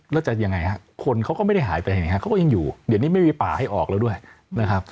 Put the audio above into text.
แล้วจะยังไงฮะคนเขาก็ไม่ได้หายไปไหนฮะเขาก็ยังอยู่เดี๋ยวนี้ไม่มีป่าให้ออกแล้วด้วยนะครับ